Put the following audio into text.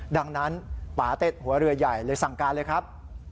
ดังนั้นปาเต็ดหัวเรือใหญ่เลยสั่งการเลยครับ